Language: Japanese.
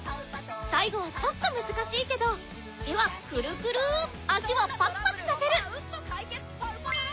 最後はちょっと難しいけど手はクルクル足はパクパクさせる